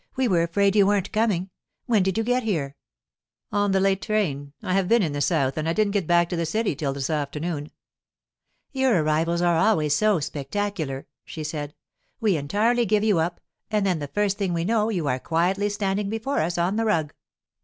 We were afraid you weren't coming. When did you get here?' 'On the late train. I have been in the south, and I didn't get back to the city till this afternoon.' 'Your arrivals are always so spectacular,' she said. 'We entirely give you up, and then the first thing we know you are quietly standing before us on the rug.